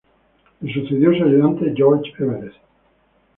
Le sucedió su ayudante George Everest.